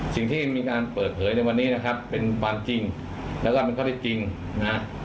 สิ่งที่มีการเปิดเผยในวันนี้นะครับเป็นความจริงแล้วก็เป็นข้อได้จริงนะฮะ